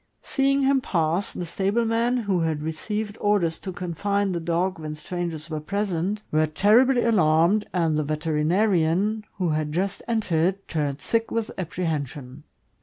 Seeing him pass, the stable men, who had received orders to confine the dog when strangers were present, were terribly alarmed, and the veterinarian, who had just entered, turned sick with apprehension.